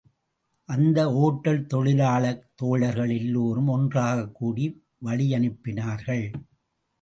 அந்த ஒட்டல் தொழிலாளத் தோழர்கள் எல்லோரும் ஒன்றாகக் கூடி வழியனுப்பினார்கள்.